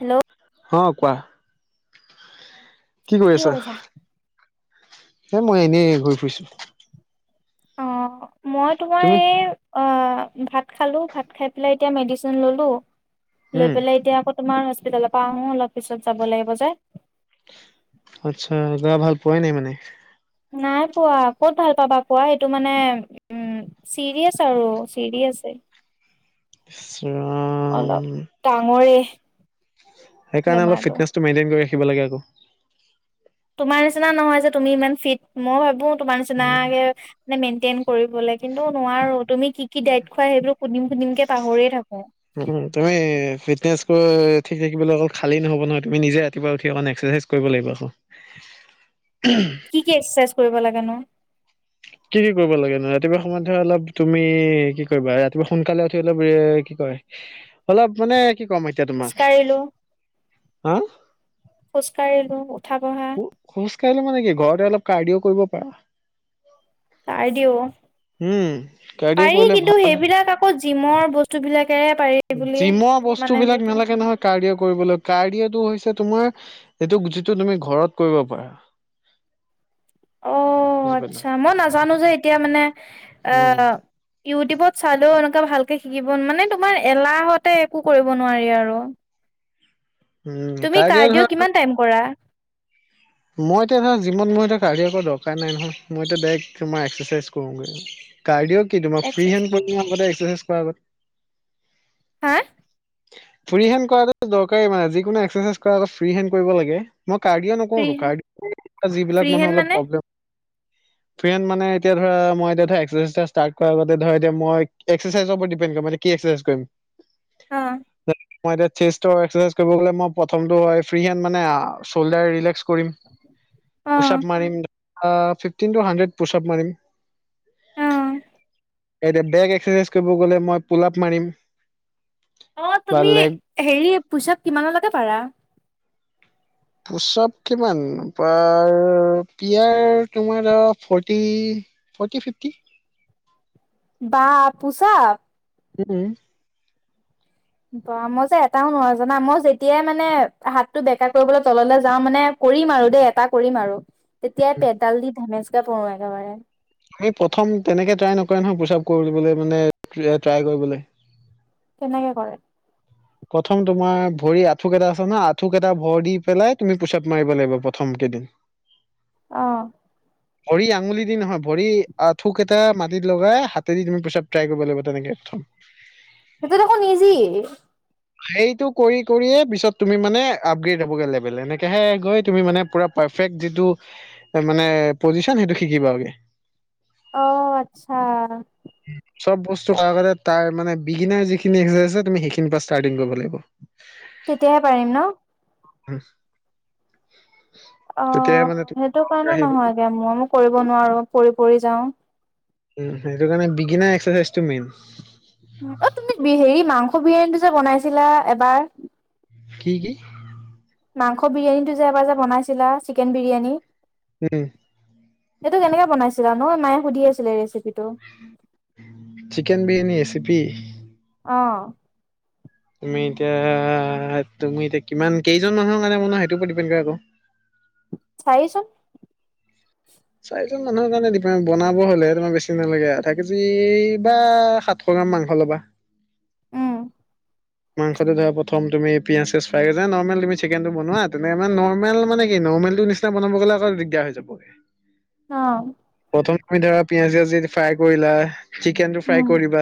Hello হ কোৱা কি কৰি আছা এ মই এনেই ঘূৰি ফুৰিছো। অ মই তোমাৰ তুমি? এই অ ভাত খালো ভাত খাই পেলাই এতিয়া মেডিচিন ললো লৈ উম। পেলাই এতিয়া আকৌ তোমাৰ হস্পিতেলৰ পৰা আহো অলপ পিছত যাব লাগিব যে জ্বৰ ভাল পোৱাই নাই মানে? নাই পোৱা ক'ত ভাল পাবা পোৱা এইটো মানে উম চিৰিয়াচ আৰু চিৰিয়াচ ছে ইচৰাম অলপ ডাঙৰে সেইকাৰণে অলপ বেমাৰটো। ফিটনেচটো মেইনটেইন কৰি ৰাখিব লাগে আকৌ তোমাৰ নিচিনা নহয় যে তুমি ইমান ফিট মই ভাবো তোমাৰ নিচিনাকে মে মেইনটেইন কৰিবলৈ কিন্তু নোৱাৰো তুমি কি কি দাইত খোৱা সেইবোৰো সুধিম সুধিম কে পাহৰিয়ে থাকো। অ ঠিক থাকিবলে অকল খালী নহ'ব নহয় তুমি নিজে ৰাতিপুৱা উঠি অকণ এক্সাৰচাইজ কৰিব লাগিব আকৌ। [unintelligible] কি কি এক্সাৰচাইজ কৰিব লাগে নো কি কি কৰিব লাগে নো ৰাতিপুৱা সময়ত ধৰা অলপ তুমি কি কৰিবা ৰাতিপুৱা সোনকালে উঠিলে কি কয় অলপ মানে কি ক'ম এতিয়া তোমাক খোজকাঢ়িলোঁ। হা খোজ কঢ়িলো উঠা বঢ়া খোজ কাঢ়িলে মানে কি ঘৰতে অলপ কাৰ্ডিও কৰিব পাৰা কাৰ্ডিও উম কাৰ্ডিঅ' পাৰি কৰিলে ভাল কিন্তু সেইবিলাক আকৌ জিমৰ বস্তুবিলাক জিমৰ বস্তু বিলাক নালাগে নহয় কাৰডিয় কৰিবলৈ কাৰ্ডিয়াটো হৈছে তোমাৰ সেটো যিটো তুমি ঘৰত কৰিব পাৰা [unintelligible] অ অ বুজি পালা আচ্ছা মই নাজানো যে এতিয়া মানে অ উম ইউটিউবত চালো ভালকে শিকিব মানে তোমাৰ এলাহতে একো কৰিব নোৱাৰি আৰু উম তুমি কাৰ কাৰ্ডিঅ' দিও ধৰা কিমান টাইম কৰা? মই এতিয়া ধৰাক যিমান মই কাৰডিও কৰিবলৈ দৰকাৰ নাই নহয় মই এতিয়া ডাৰেক তোমাৰ এক্সাৰচাইজ কৰোঁগে কাৰডিয়ক কি তোমাৰ ফ্ৰী এক্সাৰচাইজ হেণ্ড ট্ৰেইনিঙৰ এক্সাৰচাইজ কৰাৰ গতে হা ফ্ৰী হেণ্ড কৰা দৰকাৰ মানে যিকোনো একৰচাইজত ফ্ৰী হেণ্ড কৰিব লাগে মই কাৰ্ডি ফ্ৰী নকৰো ত হেণ্ড কাৰডিঅ ফ্ৰী যিবিলাক হেণ্ড মানুহে অলপ মানে প্ৰব্লেম ফ্ৰী হেণ্ড মানে এতিয়া ধৰা মই এতিয়া ধৰা এক্সাচাইজত কৰাৰ আগতে ধৰা এয়া মই এক্সাচাইজৰ ওপৰত ডিপেডম মানে কি এক্সাইজ কৰিম অ যেনে মই এতিয়া চেষ্টচাইজ কৰিব মই প্ৰথমটো হয় ফ্ৰী হেণ্ড মানে চল্ডাৰ ৰিললেস্ক কৰিম অ পোচাব মাৰিম ফিফটিন টু হাড্ৰেড পোচাব মাৰিম অ বেক এক্সাৰচাইজ কৰিব গ'লে মই পোলাপ মাৰিম অ বা তুমি লেগ হেৰি পোচাপ কিমানলৈকে পাৰা পোচাৱ কিমান বাৰ পিয়াৰ তোমাৰ ফৰ্টি ফটি ফিপটি বা পোচাব উম বা মই যে এটাও নোৱাৰো জানা মই যেতিয়াই মানে হাতটো বেকা কৰিবলৈ তললৈ যাওঁ মানে। কৰিম আৰু দেই এটা কৰিম আৰু তেতিয়াই পেডাল দি ধেমেচকে পৰো একেবাৰে আমি প্ৰথম তেনেকে ট্ৰাই নকৰে নহয় প্ৰোচাৱ কৰিবলৈ মানে ট্ৰাই কৰিবলৈ কেনেকে কৰে প্ৰথম তোমাৰ ভৰি আঁঠুক কেইটা আছে ন আঁঠুকেইটা ভৰ দি পেলাই তুমি পোছাৱ মাৰিব লাগিব প্ৰথম কেইদিন উ আহ ভৰি আঙুলি দি নহয় ভৰি থোক এটা মাটিত লগাই হাতেদি তুমি পোচাব ট্ৰাই কৰিব লাগিব তেনেকে প্ৰথম [inaudible] সেইটো দেখোন ইজি সেইটো কৰি কৰিয়ে পিছত তুমি মানে আগ্ৰেড হ'বগৈ লেবেল এনেকে হে গৈ তুমি মানে পুৰা পাৰ্ফেক্ট যিটো মানে পজিচন সেইটো শিকিবা গে অহ আচ্ছা চব বস্তু তাৰ মানে বিগিনাৰ যিখিনি আছে তুমি সেইখিনি পৰা ষ্টাৰ্টিং কৰিব লাগিব। তেতিয়াহে পাৰিম ন। উমহ অ সেইটো কাৰণে নহয়গে মই মই কৰিব নোৱাৰো পৰি পৰি যাও। উ সেইটো কাৰণে বিগিনা এক্সাৰচাইজ টো মেইন অ তুমি হেৰি মাংস বিৰিয়ানীটো যে বনাইছিলা এবাৰ কি কি মাংস বিৰিয়ানীটো যে এবাৰ যে বনাইছিলা চিকেন বিৰিয়ানী উম সেইটো কেনেকে বনাইছিলা নহ মায়ে সুধি আছিলে এই ৰেচিপিটো চিকেন বিৰিয়ানী ৰেচিপি অ তুমি এতিয়া তুমি এতিয়া কিমান কেইজন মানুহৰ কাৰণে মন সেইটো ওপৰত ডিপেণ্ড কৰে ক চাৰিজন চাৰিজন মানুহৰ কাৰনে বনাব হলে তোমাৰ বেছি নালাগে আধা কেজি বা সাতশ মাংস ল'বা উম মাংসটো ধৰা প্ৰথম তুমি ‍ পিয়াঁজ চিয়াছ ফাৰাই কৰিলা, নৰ্মেল তুমি চিকেনটো বনোৱা তেনে নৰ্মেল মানে কি নৰ্মেল ৰ নিচিনা বনাব গ'লে আকৌ দিগদাৰ হৈ যাবগে অঁ প্ৰথম আমি ধৰা পিয়াজ জিয়াজ ফ্ৰাই কৰিলা। চিকেন টো ফ্ৰাই উম, কৰিবা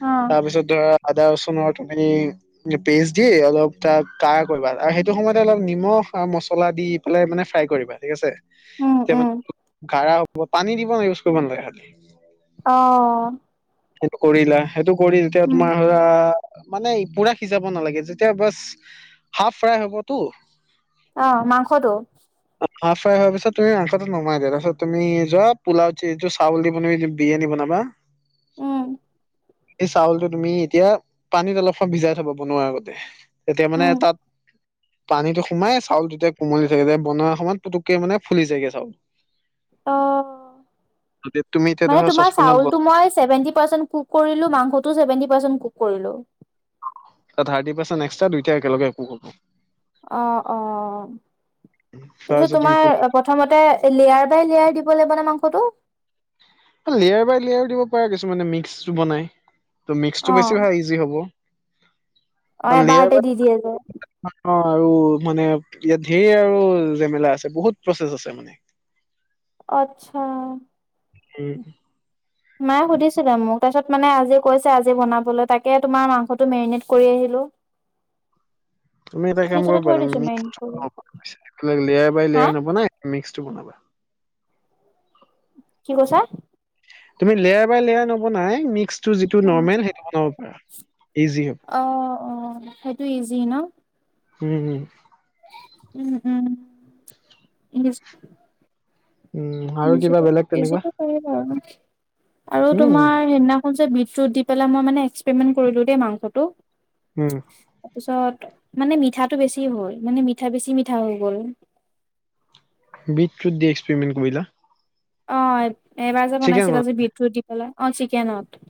অ', তাৰ পিছত ধৰা আদা ৰচুনৰ তুমি পেষ্ট দি অলপ ত কা কৰিবা আৰু সেইটো সময়তে অলপ নিমখ আৰু মছলা দি পেলাই মানে ফ্ৰাই কৰিবা ঠিক আছে উম, তে উম, মানে কাৰা হব পানী দিব ইউজ কৰিব নালাগে খালি অহ সেইটো কৰিলা সেইটো কৰি এতিয়া তোমাৰ ধৰা মানে পুৰা সিজাব নালাগে যেতিয়া বাছ হাফ ফ্ৰাই হবতো অ মাংসটো হাফ ফ্ৰাই হোৱাৰ পিছ তুমি মাংসটো নমাই দো তাৰ পিত তুমি যোৱা পোলাও য চাউল দি বন বিৰিয়ান বনাবা বা উম সেই চাউলটো তুমি এতিয়া পানীত অলপমান ভিজাই থবা বনোৱাৰ আগতে তেতিয়া মানে উম, তাত পানীতটো সোমাই চাউল টো কোমল হৈ থাকে যে বনোৱা সমান পুতুককে মানে ফুলি যায়গে চাউল অহ তুমি এতিয়া মানে ধৰা তোমাৰ চচপেনত বনা, চাউলটো মই চেভেন্তি পাৰ্চেন কুক কৰিলো মাংস চেভেন্তি পৰ্ছেন কুক কৰিলোঁ। ত থাৰ্টি পাৰ্চেণ্ট এক্সট্ৰা দুইটা একেলগে কুক হব অ অ তাৰপিছত তাৰপিছত তুমি তোমাৰ প্ৰথমতে লেয়াৰ বাই লেয়াৰ দিব লাগিব নে মাংসটো লেয়াৰ বাই লেয়াৰ দিব পাৰে কিছুমানে মিক্সটো বনাই ত মিক্সটো বেছি অ', ভাল ইজি হ'ব অ', এবাৰতে দি দিয়ে যে। সন্ধিয়াৰবাত অ আৰু মানে ইয়াত ধেৰ আৰু জেমেলা আছে বহুত প্ৰচেছ আছে মানে আচ্ছা উম মায়ে সুধিছিলে মোক তাৰপিছত মানে আজি কৈছে আজি বনাবলৈ তাকে তোমাৰ মাংসটো মেৰিনেট কৰি আহিলো তুমি এটা কাম কৰিব থৈ পাৰিলা দিছোঁ মেৰিনেট মিক্স টো কৰি। ব্লক এইবিলাক লেয়াৰ বাই হা, লেয়াৰ নবনাই মিক্স টো বনাবা [unintelligible] কি কৈছা তুমি লেয়াৰ বাই লেয়াৰ নবনাই মিক্স যিটো অ'। নৰ্মেল সেইটো বনাব পাৰা ইজি হ'ব অ অ সেইটো ইজি ন উম হম উম উম উম আৰু কিবা বেলেগ [unintelligible] তেনেকুৱা ইজিকো কৰিব পাৰা ন আৰু উম তোমাৰ সেইদিনাখন যে বিট [unintelligible] চোত দি পেলাই মই মানে এক্সপেৰিমেণ্ট কৰিলোঁ দেই মাংসটো উম তাৰপিছত [unintelligible] মানে মিঠাটো বেছি হ'ল মানে মিঠা বেছি মিঠা হৈ গ'ল বিদ্যুত দি এক্সপেৰিমেণ্ট কৰিলা [unintelligible] অ এবাৰ যে চিকেন বনাইছিল বনা আজি বিটটোৰ দি পেলাই অ চিকেনত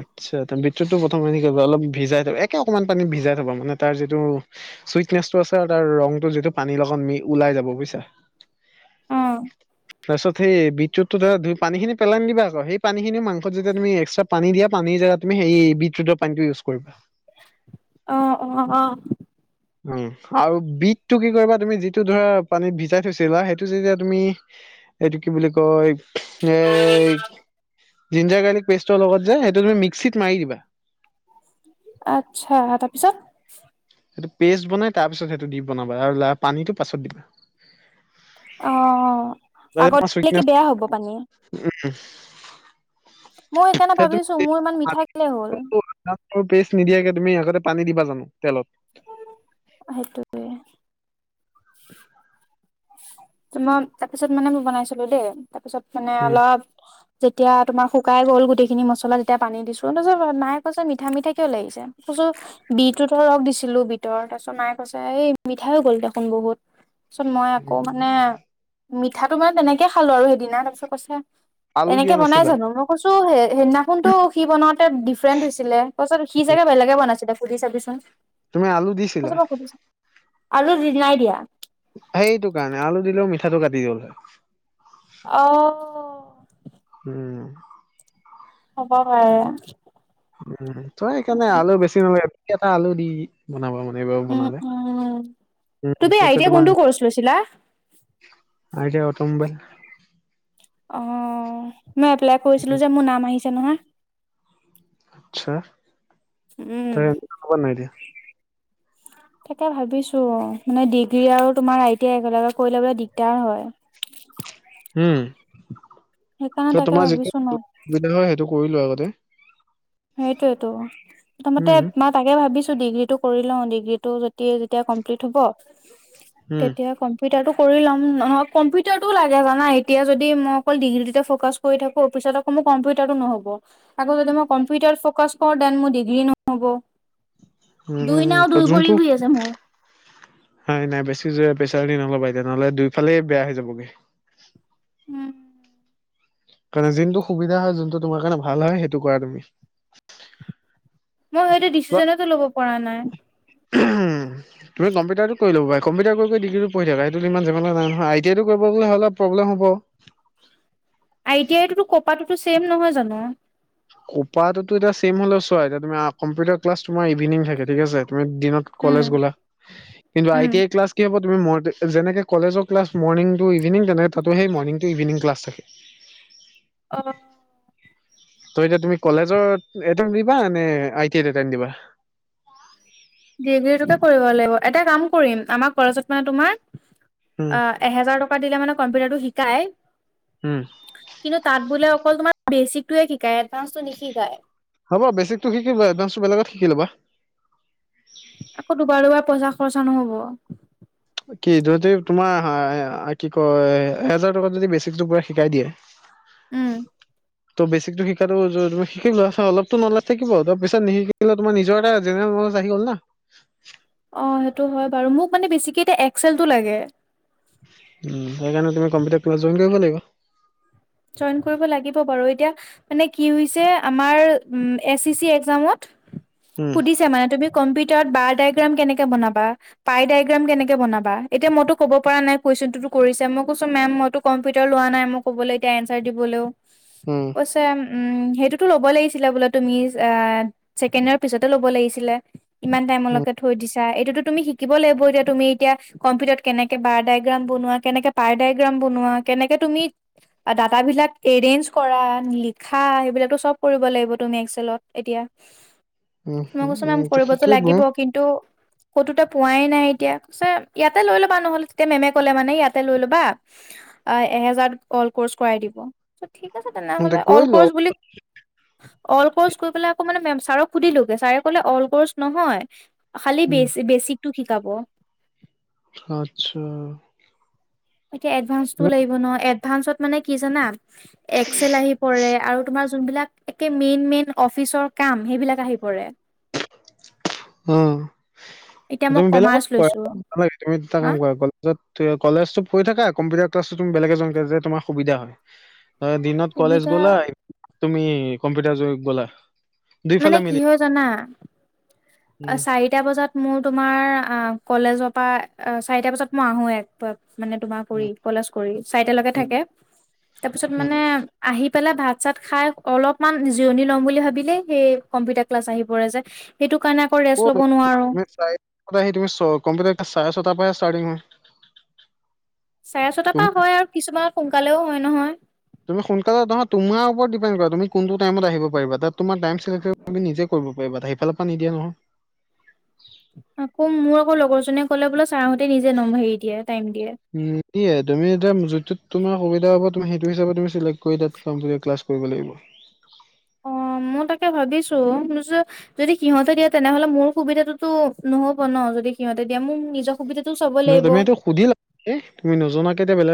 আচ্ছা তে বিটতো টো প্ৰথমে হেৰি কৰ অলপ ভিজাই থব একে অকনমান পানী ভিজাই থবা মানে তাৰ যিটো চুইটনেচটো আছে আৰু তাৰ ৰংটো যিটো পানীৰ লগত মি ওলাই যাব বুইছা অ [unintelligible] তাৰছত সেই বিট টোতো ধৰা পানীখিন পেলাই নিদিবা আক সেই পানীখিনিও মাংসত যেতিয়া তুমি এক্সট্ৰা [unintelligible] পানী দিয়া পানীৰ জেগাত তুমি হেৰি বিট তোত দিয়া পানী টো ইউজ কৰিবা [unintelligible] অ অ অ উ আৰু বিটতো কি কৰিবা তুমি যিটো ধৰা পানীত ভিজাই থৈছিলা সেইটো যেতিয়া তুমি [unintelligible] এইটো কি বুলি কয় এ জিঞ্জাৰ গাৰ্লিক পেষ্টৰ লগত যায় সেইটো তুমি মিক্সিত মাৰি দিবা [unintelligible] আত্ছা তাৰপিছত [unintelligible] সেইটো পেষ্ট বনাই তাৰ পিছত সেইটো দি বনাবা আৰু ল পানীটো পাছত দিবা [unintelligible] অ [unintelligible] উম আগত দিলে কি বেয়া হ'ব পানী মই সেইকাৰণে ভাবিছো মোৰ ইমান মিঠা কেলে হ'ল পেষ্ট নিদিয়াকে তুমি আগতে পানী দিবা জানো তেলত সেইটোৱে [unintelligible] [inaudible] তোমাৰ তাৰপিছত মানে মই বনাইছিলো দেই তাৰপিছত মানে উম, অলপ যেতিয়া তোমাৰ শুকাই গল গোটেইখিনি মছলা যেতিয়া পানী দিছো তাপিছত মাই কৈছে মিঠা মিঠা কিয় লাগিছে [unintelligible] কছো বিটোতো ৰস দিছিলো বিটৰ তাৰপিছত মায়ে কৈছে এই মিঠা হৈ গ'ল দেখোন বহুত [unintelligible] চোন মই আক [inaudible] মিঠাটো মানে তেনেকে খালো আৰু সেইদিনা তাৰপিছত কৈছে আ এনেকে বনাই জানো মই কৈছো হেদিনাখনতো সি বনাও তে ডিফাৰেণ্ট হৈছিলে কছত সি জাগে বেলেগ [unintelligible] কেনেকে বনাইছিলে দে সুধি চাবিচোন [unintelligible] তুমি আলু দিছিলা আলু যি নাই দিয়া [unintelligible] সেইটো কাৰণে আলু দিলেও মিঠাটো কাটি গ'ল হয় অ উম্। হ'ব পাৰে। উম্ তই সেইকাৰণে আলু বেছি নালাগে এটা আলু দি বনাবা মানে। [unintelligible] নেইবাও উম বনালে উম উ তুমি আই টি ত আই তোমাৰ। কোনটো কৰ্চ লৈছিলা? [unintelligible] I T I automobile. অ মই এপ্লাই কৰিছিলো যে মোৰ নাম আহিছে নহয়। আচছা উম তই কপা নাই দিয়া। [inaudible] তাকে ভাবিছো মানে ডিগ্ৰী আৰু তোমাৰ আই টি আই একেলগে কৰি ল'বলে দিগদাৰ হয়। হম সেইকাৰণে ত তাকে তোমাৰ ভাবিছো ন যিটো সুবিধা হয় সেইটো। কৰিলো আগতে। সেইটোৱেইটো প্ৰথমতে উম, মই তাকে ভাবিছো। ডিগ্ৰীটো কৰি লওঁ ডিগ্ৰীটো যদি যেতিয়া কমপ্লিট হ'ব উম, তেতিয়া কম্পিউটাৰটো। কৰি ল'ম নহয় কম্পিউটাৰটো লাগে জানা এতিয়া যদি মই অকল ডিগ্ৰীটোতে ফ'কাচ কৰি থাকোঁ অফিচত অকণমান। কম্পিউটাৰটো নহ'ব আকৌ যদি মই কম্পিউটাৰ ফ'কাছ কৰোঁ ডেন মোৰ ডিগ্ৰী নহ'ব। দুই উম, নাও ত দুই ভৰি যোনটো হৈ আছে মোৰ। নাই নাই বেছি জোৰে প্ৰেছাৰ দি নলবা এতিয়া নহ'লে দুইফালে বেয়া হৈ যাবগে। উম্। কাৰণে যোনটো টো সুবিধা হয় যোনটো তোমাৰ কাৰণে ভাল হয় সেইটো কৰা তুমি। মই সেইটো ডিচিছনেতো ল'ব পৰা নাই। তুমি কম্পিউটাৰটো। কৰি লব কম্পউটাৰটো কৰি ডিগ্ৰীটো কৰি থাকিব পাৰে সেইটো টো ইমান জেমেলা নাই নহয় আই টি আই টো কৰিবলে গলে হলে প্ৰব্লেম হব। হয়। আই টি আইটোতো কপাটোতো ছেম নহয় জানো। কোপাতুটো এতিয়া ছেম হ'লটো এতিয়া চোৱা তুমি কম্পিউটাৰ ক্লাছ তোমাৰ ইভিনিং থাকে ঠিক আছে। তুমি দিনত উম, কলেজ গ'লা কিন্তু I um. T I class কি হ'ব। তুমি ম যেনেকে কলেজৰ ক্লাছ মৰ্নিং টু ইভিনিং তেনেকে তাতো সেই মৰ্নিং টু ইভিনং ক্লাছ থাকে [unintelligible] অঁ। ত এতিয়া তুমি কলেজত এতেম দিবা নে এতেম দিবা। ডিগ্ৰীটোকে কৰিব লাগিব এটা কাম কৰিম আমাৰ কলেজত মানে তোমাৰ উম, অ এহেজাৰ টকা দিলে মানে কম্পিউটাৰটো শিকাই। উম। কিন্তু তাত বোলে অকল তোমাৰ বেচিকটোৱে শিকায়। এডভান্সটো নিশিকায়। হ'ব বেছিকতো শিকি এডভেন্সাটো বেলেগত শিকি ল'বা। আকৌ দুবাৰ দুবাৰ পইচা খৰচা নহ'ব। কি তহ তোমাৰ কি কয় এহেজাৰ টকাত যদি বেচিকটো পুৰা শিকাই দিয়ে। উম, ত' বেচিক টো শিকাটো তুমি শিকি লোৱা অলপতো নলেজ থাকিব তাৰ পিছত নিশিকিলে তাৰ নিজৰ এটা জেনেৰেল। ন'লেজ আহি গল না। অ সেইটো হয় বাৰু মোক মানে বেছিকে এতিয়া এক্সেলটো লাগে। উ সেইকাৰণে তুমি কম্পিউটাৰ ক্লাছ জইন কৰিব লাগিব। জইন কৰিব লাগিব বাৰু এতিয়া মানে কি হৈছে আমাৰ এছ চি চি এক্সামত। উম সুধিছে মানে তুমি কম্পিউটাৰটো। বাৰ ডায়গ্ৰাম কেনেকে বনাবা, পাই ডায়গ্ৰাম কেনেকে বনাবা এতিয়া মইতো ক'ব পৰা নাই কুৱেচনটো। কৰিছে মই কৈছো মেম মইতো কম্পিউটাৰ লোৱা নাই মই ক'ব লাগ। এনাৰ দিবলৈও কুৱেচন। উম সেইটোতো ল'ব লাগিছিলে বোলে তুমি ছেকেণ্ড ইয়ৰ পিছতে ল'ব লাগিছিলে ইমান। টাইমৰ উম লৈকে থৈ দিছা এইটো তুমি শিকিব লাগিব এতিয়া তুমি এতিয়া কম্পিউটাৰত কেনেকে বাৰ ড্ৰায়গ্ৰাম বনোৱা। কেনেকে পাৰডাইগ্ৰাম বনোৱা কেনেকে তুমি। ডাটা বিলাক এৰেঞ্জ কৰা, লিখা, সেইবিলাকটো চব কৰিব লাগিব তুমি এক্সেলত এতিয়া। উম মই উম কৈছোঁ মেম উম কৰিবটো শিকি লোৱা লাগিব কিন্তু কতো। পোৱাই নাই এতিয়া ইয়াতে লৈ ল'বা নহ'লে তেতিয়া মেমে ক'লে মানে ইয়াতে লৈ ল'বা অ এহেজাৰত অল ক'ৰ্চ কৰাই দিব ঠিক আছে তেনেহলে এ অল কৰি কৰ্চ লোৱা বুলি অল কৰ্চ কৰি পেলাই আকৌ মানে মে ছাৰক সুধিলোগে ছাৰে কলে অল ক'ৰ্চ নহয় খালি উম বেছ বেছিকটো শিকাব আচ্ছা। এতিয়া এডভান্স লাগিব নহয় এডভান্সত মানে কি জানা এক্সেল আহি পৰে আৰু এটা যি বিলাক মেইন মেইন অফিচৰ কাম সেইবিলাক আহি পৰে। অ এতিয়া মই তুমি বেলেগক কমাৰ্চ লৈছো কৰুৱা নালাগে তুমি দুটা হা কাম কৰা কলেজত ত কলেজতো পঢি থাকা কম্পিউটাৰ ক্লাছতো তুমি বেলেগ এজনকে দিয়া তোমাৰ সুবিধা হয় হয় দিনত কলেজ সুবিধা গলা তুমি কম্পিউটাৰ জেগাত গ'লা মানে দুইফালে কি মিলি হয় জানা উম চাৰিটা বজাত মোৰ তোমাৰ কলেজৰ পৰা চাৰিটা বজাত মই আহোঁ এক মানে তোমাৰ কৰি উম কলেজ কৰি চাৰিটালৈকে উম থাকে তাৰপিছত উম মানে আহি পেলাই ভাত চাত খাই অলপমান জিৰণি ল'ম বুলি ভাবিলেই সেই কম্পিউটাৰ ক্লাছ আহি পৰে যে সেইটো কাৰণে আকৌ ৰেষ্ট ল'ব ক'ত নোৱাৰো চাৰিটাত আহি তুমি কম্পিউটাৰ ক্লাছ চাৰে চতাৰ পৰাহে আছে চাৰি ঘণ্টা চাৰে ছটাৰ পৰা হয় আৰু কিছুমানত সোনকালেও হয় নহয় তুমি সোনকালে নহয় তোমাৰ ওপৰত দিপেণ্ড কৰা তুমি কোনটো টাইমত আহিব পাৰিবা তাত তোমাৰ টাইম চিলেক্ট তুমি নিজে কৰিব পাৰিবা সিফালৰ পৰা নিদিয়ে নহয় আকৌ মোৰ আকৌ লগৰ জনেীয়ে কলে বোলে ছাৰহঁতে নিজে নম্বৰ হেৰি দিয়ে টাইম দিয়ে নিদিয়ে তুমি এতিয়া যোনটো তোমাৰ সুবিধা হ'ব সেইটো হিচাপে তুমি চিলেক্ট কৰি তাত ক্লাছ কৰিব লাগিব অ মই তাকে ভাবিছো যে যদি সিহঁতে দিয়ে তেনেহলে মোৰ সুবিধা টোতো নহব ন যদি সিহঁতে দিয়া মোক নিজৰ সুবিধাটো চাব নহয় লাগিব তুমিটো সুধিলবা তুমি নজনাকৈ এতিয়া বেলেগ